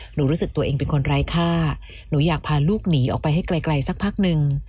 รู้สึกตัวเองเป็นคนไร้ค่าหนูอยากพาลูกหนีออกไปให้ไกลสักพักนึง